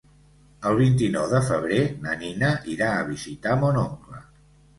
El vint-i-nou de febrer na Nina irà a visitar mon oncle.